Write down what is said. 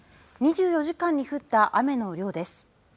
２４時間に降った雨の量です。